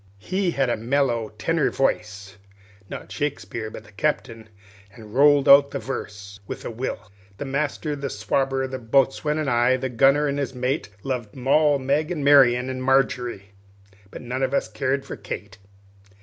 He had a mellow tenor voice (not Shakespeare, but the Captain), and rolled out the verse with a will: "The master, the swabber, the boatswain, and I, The gunner, and his mate, Lov'd Mall, Meg, and Marian, and Margery, But none of us car'd for Kate."